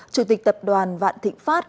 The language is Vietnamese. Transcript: chủ tịch tập đoàn vạn thịnh pháp